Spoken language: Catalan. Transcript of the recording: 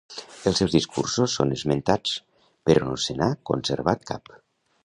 Els seus discursos són esmentats, però no se n'ha conservat cap.